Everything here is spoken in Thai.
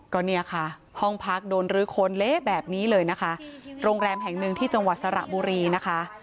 ก็เนี่ยค่ะห้องพักโดนรื้อคนเละแบบนี้เลยนะคะโรงแรมแห่งหนึ่งที่จังหวัดสระบุรีนะคะ